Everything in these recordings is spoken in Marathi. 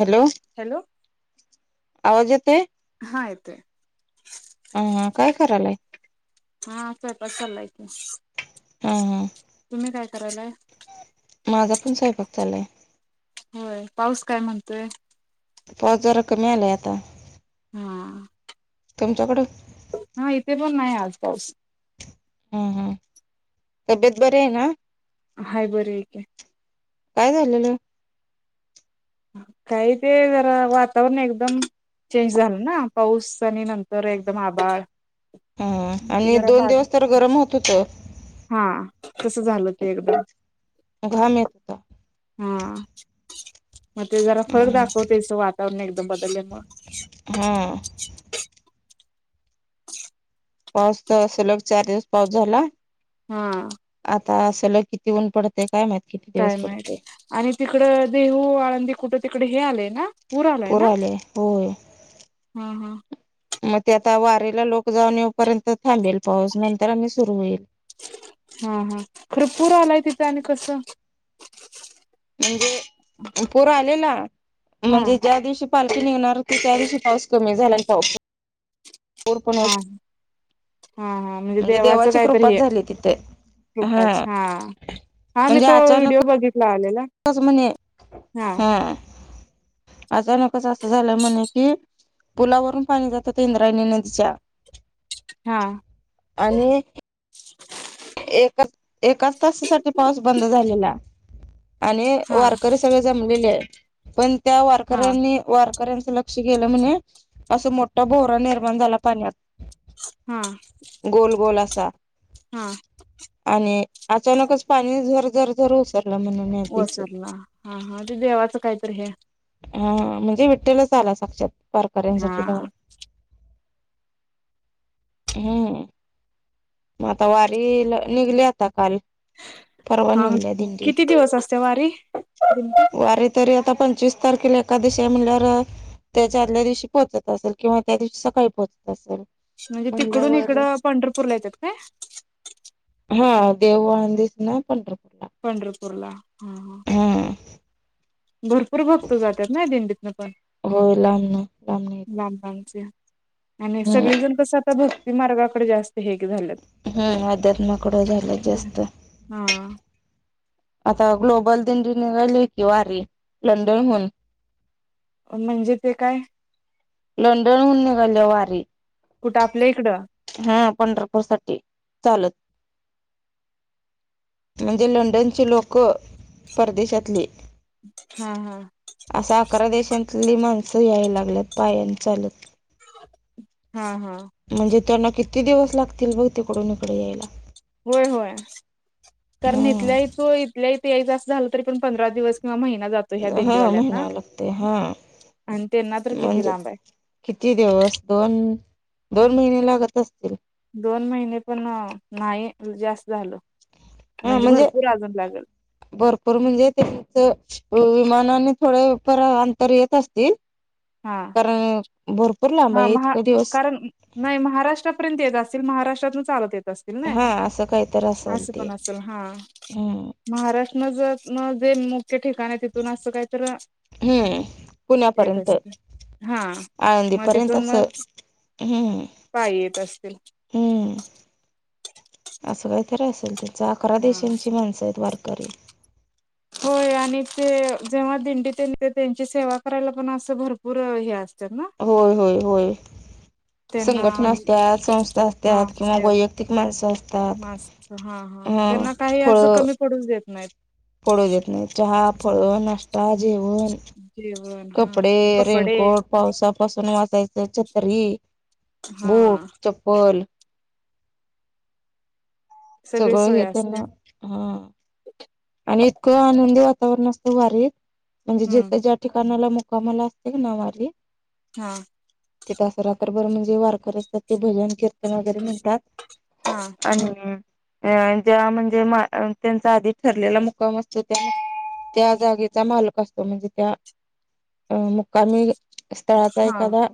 हॅलो! हॅलो! आवाज येतोय? हा येतोय. अं काय करालाय? हा स्वयंपाक हा चाललायच, हा तुम्ही काय करायलाय. माझा पण स्वयंपाक चाललाय. व्हयं पाऊस काय म्हणतोय? पाऊस जरा कमी आलाय आता. हा! तुमच्याकड? हा इथे पण नाही आज पाऊस. हं हं तब्येत बरीय ना? हाय बरी ऐके. काय झालेलं? काही ते जरा वातावरण एकदम. चेंज झाला ना पाऊस, आणि नंतर एकदम आबााळ. हा आणि दोन दिवस तर गरम होत होत. हा तसं झालं ते एकदम. घाम येत का? हा मग ते जरा फरक हम्म दाखवते, असं वातावरण एकदम बदलल्या मूळ. हा! पाऊस त असं लग चार दिवस, पाऊस झाला. हा! आता अस लई किती ऊन पडत ते काय माहित किती. दिवस काय माहित, पडते आणि तिकड देहू, आळंदी, कुठं तिकड हे आलेय ना? पूर आलाय पुर ना आले होय. हा हा म ते आता वारी ला लोक जाऊन येऊपर्यंत थांबेल पाऊस, नंतर आणी सुरू होईल. हा हा खर पूर आलाय तिथं, आणि कसं? म्हणजे पुर आलेला, हा म्हणजे ज्या दिवशी पाल खी निघणार होती त्या दिवशी पाऊस कमी झाला. आणि पाऊस पूर पण हा, होत हा, हा म्हणजे देवाचं देवाची कायतरी कृपाच हे झाली तिथे कृपाच, हा हा मी तो व्हिडओ बघितला आलेला. तोच म्हणे हा अचानकच असं झालं म्हणे कि पुलावरून पाणी जात होत इंद्रायणी, नदीच्या. हा! आणि. एका, एकाच तासासाठी पाऊस बंद झालेला, आणि हा वारकरी सगळे जमलेल आहे पण त्या हा वारकऱ्यांनी वारकऱ्यांच ल क्ष गेलं म्हने असं मोठा भोवरा, निर्माण झाला पाण्यात. हा गोल गोल असा हा आणि अचानकच पाणी झर झर झर ओसरलं म्हणून ओसरला हा हा ते देवाचं काहीतरी हे हा म्हणजे विठ्ठलच आला साक्षात हा वारकऱ्यांसाठी धावुन हं आता वारकरी निघले आता काल परवा हा निघली दिंडी किती दिवस असते वारी वारीत तरी आता पंचवीस तारखेला एकादशी म्हणल्यावर त्याच्या आदल्या दिवशी पोहोचत असेल किंवा त्या दिवशी सकाळी पोहोचत असेल म्हणजे तिकडून म्हणल्यावर इकडं पंढरपूरला येतात काय? हा देहु आळंदीतन पंढरपूरला पंढरपूरला हा हा भरपूर भक्त जातात ना दिंडीतन पण हो लांब ना नाही येतात लांब लांबचे आणि हम्म सगळीजण कस आता भक्ती मार्गाकडे जास्त हे झालेत हं अध्यात्माकडं झालेत जास्त हा आता ग्लोबल दिंडी निघाली आहे की वारी लंडनहून म्हणजे ते काय? लंडनहून निघाली वारी कुठं आपल्या इकडं हा पंढरपूर साठी चालत म्हणजे लंडनची लोकं परदेशातली हा हा असा अकरा देशांतली माणसं याय लागल्यात पायान चालत हा हा म्हणजे त्यांना किती दिवस लागतील बघ तिकडून इकडे यायला? होय होय कारण इथल्याही हा तो यायच झालं तरी पण पंधरा दिवस किंवा महिना जातो. ह्या हा दिंडीवाल्यांना महिना लागते हा आणि त्यांना तर किती म्हणजे लांब आहे किती दिवस दोन दोन महिने लागत असतील दोन महिने पण नाही जास्त झालं म्हणजे भरपूर अजून लागेल भरपूर म्हणजे त्यांच विमानाने थोडे पर अंतर येत असतील हा कारण भरपूर लांब हा महा इतक दिवस कारण नाही महाराष्ट्रापर्यंत येत असतील महाराष्ट्रातून चालत येत असतील. ना हा असं काहीत असेल असं ते पण असल हा हम्म महाराष्ट्र जर जे मुख्य ठिकाण आहे तिथून असं काय तर हं पुण्यापर्यंत हा मग आळंदीपर्यंत तिथून अस मग हम्म पायी येत असतील हम्म असं काहीतरी असेल ते अकरा हा देशांची माणसं आहेत वारकरी होय आणि ते जेव्हा दिंडीत ते त्यांची सेवा करायला पण असं भरपूर हे असतं ना होय होय होय त्यांना संघटना असतात संस्था हा असतात किंवा त्यात वैयक्तिक माणसं असतात मास्क हा हा ह त्यांना काही असं फळं कमी पडूच देत नाहीत पडू देत नाही चहा फळ नाश्त आता जेवण जेवण हा कपडे, कपडे रेनकोट पावसा पासून वाचायचं छत्री, बूट, हा चप्पल सगळी सगळं सोय हे असते. त्यांना हा. आणि इतकं आनंदी वातावरण असतं वारीत म्हणजे हम्म जिथ ठिकाणाला मुकामल असते कणा वारी हा! तीथ आस रात्रभर म्हणजे वारकर असतात ते भजन कीर्तन वगैरे म्हणतात हा! आणि अ ज्या म्हणजे त्यांचा आधी ठरलेला मुक्काम असतो त्या त्या जागेचा मालक असतो म्हणजे त्या अ मुक्कामी स्थळाचा हा एखादा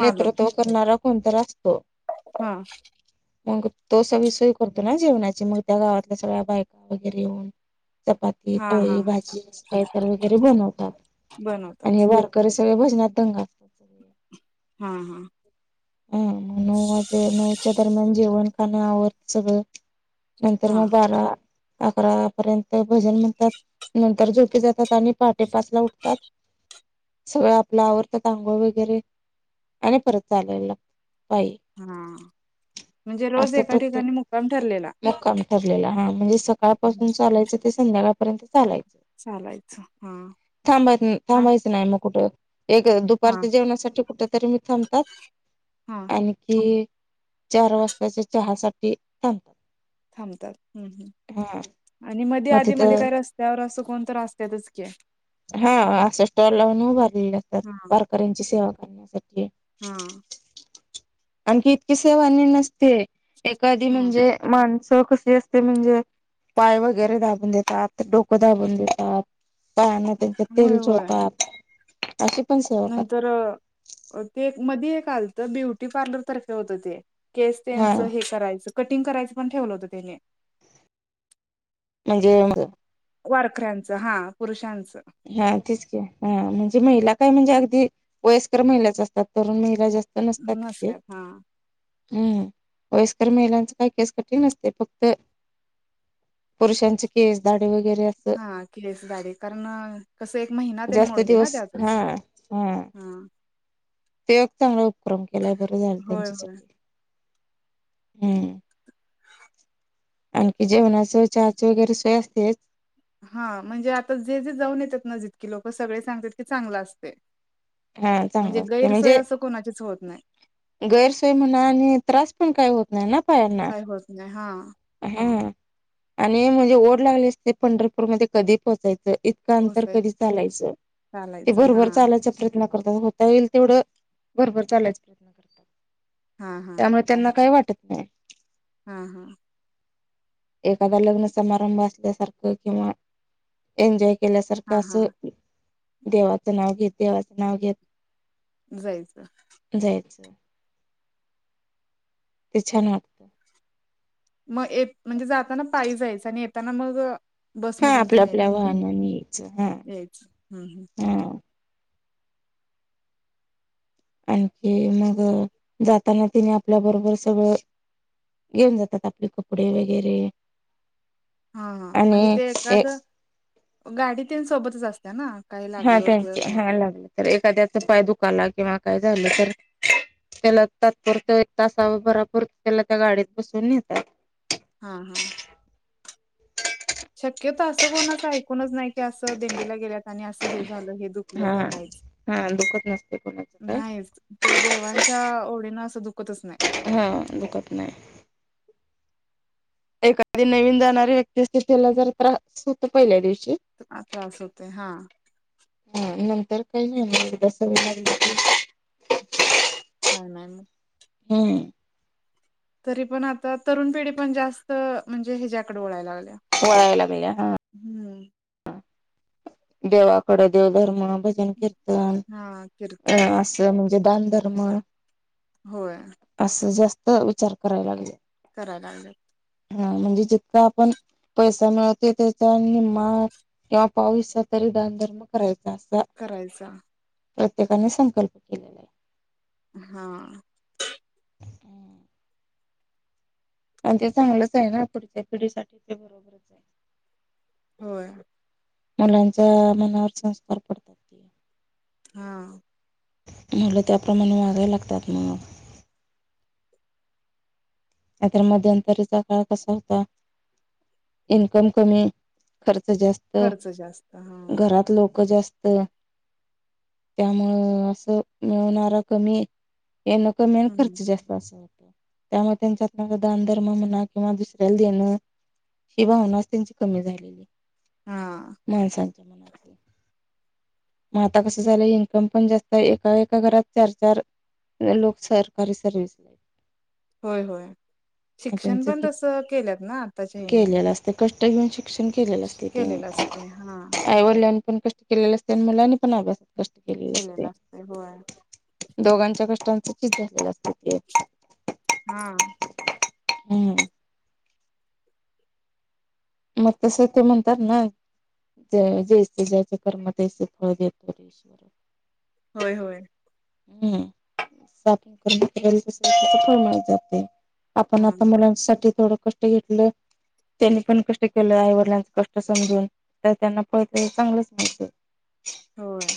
मालक नेतृत्व करणारा कोणत असतो. हा! मग तो सगळी सोय करतो ना जेवणाची मग त्या गावातल्या सगळ्या बायका वगैरे येऊन चपाती हा हा पोळी भाजी आस काय तर वगैरे बनवतो आपण बनवतात आणि हे करे सगळे भजनात दंग [inaudible] हा हा! हा नऊ वाजे नऊच्या दरम्यान जेवण का नाही आवत सगळं. नंतर हा मग बारा अकरा पर्यंत भजन म्हणतात. नंतर झोपी जातात आणि पहाटे पाचला उठतात. सगळं आपलं आवरतात आंघोळ वगैरे आणि परत चालायला पायी हा! म्हणजे रोज असं एका प्रत्येक ठिकाणी मुक्काम ठरलेला मुक्काम ठरलेला हा म्हणजे सकाळपासून चालायचं ते संध्याकाळपर्यंत चालायच. चालायच हा. थांबाय हा थांबायचं नाही मग कुठं एक दुपारच्या जेवणासाठी कुठ तरी मी थांबतात. हा आणखी चार वाजताच्या चहा साठी थांबतात. थांबतात हम् हा हम् आणि मध्ये मग आधी तिथं मध्ये काय रस्त्यावर असं कोण तर असत्यातच की. हा असं स्टॉल लावून उभारलेले असतात हा वारकऱ्यांची सेवा करण्यासाठी. हा! आणखी इतकी सेव आणि नसते एखादी हा. म्हणजे माणसं कशी असते म्हणजे पाय वगैरे दाबून देतात डोकं दाबून देतात. पायांना त्यांच्या तेल होय होय चोळतात अशी पण करतात नंतर ते एक मध एक आलत ब्युटी पार्लर तर्फे होतं ते. केस हा त्यांचं हे करायचं कटिंग करायचं पण ठेवलं होतं त्यानी. म्हणजे वारकऱ्यांचं हा पुरुषांचं. हा तेच की हा म्हणजे महिला काय म्हणजे अगदी वयस्कर महिलाच असतात तरुण महिला जास्त नता तिथे. नसत्यात हा हम् वयस्कर महिलांच काही केस कठीण असते फक्त पुरुषांचे केस दाढी वगैरे हा केस दाढी कारण कसं एक महिना तेन जास्त मोडतोय ना दिवस हा त्यातच हा. तेच चांगला उपक्रम केलाय बर झाल होय होय त्यांच्यासाठी हम्म. [inaudible] आणखी जेवणाचं चहाचं वगैरे सोय असतेच. हा म्हणजे आता जे जे जाऊन येतात ना जीतकी लोक सगळे सांगतात की चांगलं असतय. हा म्हणजे चांगलं असते गैरसोय म्हणजे असं कोणाचीच होत नाय. गैरसोय म्हणा आणि त्रास पण काही होत नाही ना पायांना. काय होत नाही हा हा आणि म्हणजे ओढ लागले असते पंढरपूरमध्ये कधी पोहोचायचं. र पोहचायच. कधी चालायच ते चालायचं हा बरोबर चालायचं. होता येईल तेवढं भरभर चालायच प्रयत्न. करतात हा हा. त्यामुळे त्यांना काय वाटत नाही. हा हा. एखादा लग्न समारंभ असल्यासारखं किंवा एन्जॉय केल्यासारखं हा हा असं देवाचं नाव घेत देवाचं नाव घेत. जायच. जायचं. ते छान वाटत. मग म्हणजे जाताना पायी जायचं आणि येताना मग. हा बसमधून आपल्या तिने आपल्या यायचं का वाहनानी यायचं हा यायचं ह ह. हा आणखी मग जाताना तिने आपल्या बरोबर सगळं. घेऊन जातात आपले कपडे वगैरे. हा हा म्हणजे आणि ते एखाद गाडीतील सोबतच असत्या ना. काही हा लागलं त्यांच तर हा लागलं तर एखाद्याच पाय दुखाला किंवा काय झालं तर. त्याला तात्पुरत तासाबरापुरत त्याला त्या गाडीत बसून येतात. हा हा. शक्यत असं कोणाचं ऐकूनच नाही की असं दिंडीला गेल्यात आणि अस. हे झालं हे दुखलं हा ते नाहीच हा दुःखच नसते कोणाच. नाहीच ते देवांच्या ओळीन असं दुखतच नाही. हां दुखत नाही. एखादी नवीन जाणारी व्यक्ती असते त्याला जरा त्रास होत पहिल्या दिवशी. त्रास होते हा. हा नंतर काही नाही झा हा म. हम्. तरी पण आता तरुण पिढी पण जास्त म्हणजे ह्याच्या्याकडे ओळायला लागली. वळायला लागल्या. हम्म, देवाकडे, देवधर्म, भजन, कीर्तन हा कीर्तन अ असऽ म्हणजे दान धर्मऽ होय, असं जास्त विचार करायला लागले करायला लागले. हा म्हणजे जितका आपण पैसा मिळवतो त्याचा निमा किंवा पाऊसचा तरी दानधर्म करायचा अस करायचा. प्रत्येकाने संकल्प केलेला. हा, हम्, आणि ते चांगलंच आहे ना,, पुढच्या पिढीसाठी ते, बरोबरच आहे. होय, मुलांचा, मनावर संस्कार. पडतात ते हा, मुलं त्याप्रमाणे वागाय लागतात मग. आ तर मध्यंतरीचा काळ कसा होता,, इन्कम कमी,, खर्च जास्त,, खर्च जास्त हा घरात लोक जास्त. त्यामुळं, असं मिळवणारा कमी येन कमी आणि हम्म खर्च जास्त असा होत, त्यामध्ये त्यांच्यात दान धर्म म्हणा, किंवा दुसऱ्याला देणं ही भावनास त्यांची कमी झालेय,, हा माणसांच्या मनात. मग आता कसं झालंय, इन्कम पण जास्त आहे, एका एका घरात चार चार. लोक सरकारी सर्विस ला होय होय, मग शिक्षण त्यांचं पण तसं केल्यात ना, आत्ताच्या हने. ते कष्ट घेऊन शिक्षण केलेलं असते केलेलं तिने. असते हा आईवडिलांनी पण कष्ट केलेले असतय, आणि मुलांनी पण अभ्यासात कष्ट केलेले असतय. केलेलं असते होय दोघांच्या कष्टांचं चिज झालेलं असत. हा. हम्म. मग तस ते म्हणतात ना. जैसे ज्याच कर्म तसे फळ देतो रे ईश्वर. होय होय. हम ग करून जातेय. आपण हा आता मुलांसाठी थोडं कष्ट घेतलं त्यांनी पण कष्ट केलं, आईवडिलांचं कष्ट समजून, तर त्यांना फळ ते चांगलंच मिळतय. होय.